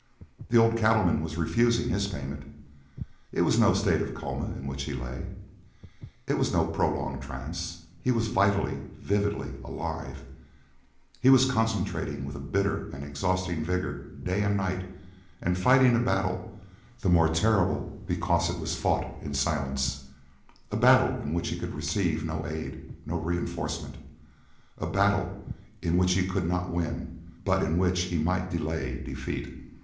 The old cattleman was refusing his payment. It was no state of coma in which he lay; it was no prolonged trance. He was vitally, vividly alive; he was concentrating with a bitter and exhausting vigour day and night, and fighting a battle the more terrible because it was fought in silence, a battle in which he could receive no aid, no reinforcement, a battle in which he could not win, but in which he might delay defeat.